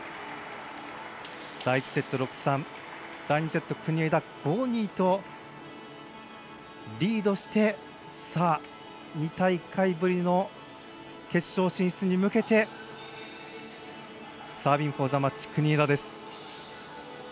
第１セット、６−３第２セット、国枝５−２とリードして、２大会ぶりの決勝進出に向けてサービングフォーザマッチ国枝です。